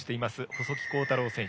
細木康太郎選手。